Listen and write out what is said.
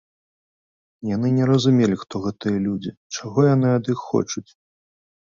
Яны не разумелі, хто гэтыя людзі, чаго яны ад іх хочуць.